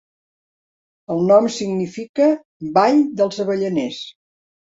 El nom significa "vall dels avellaners".